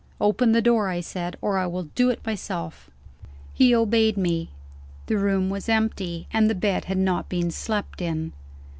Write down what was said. "Open the door," I said, "or I will do it myself." He obeyed me. The room was empty; and the bed had not been slept in.